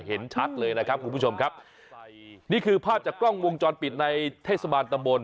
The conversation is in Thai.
เห็นชัดเลยนะครับคุณผู้ชมครับนี่คือภาพจากกล้องวงจรปิดในเทศบาลตำบล